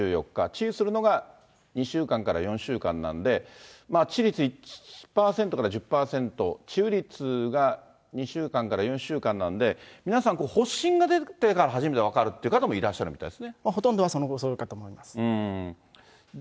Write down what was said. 治癒するのが２週間から４週間なんで、致死率１％から１０％、治癒率が２週間から４週間なんで、皆さん、発疹が出てから初めて分かるっていう方もいらっしゃるみたいですね。